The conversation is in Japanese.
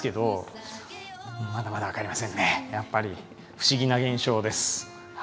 不思議な現象ですはい。